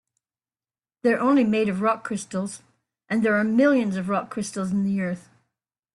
They're only made of rock crystal, and there are millions of rock crystals in the earth.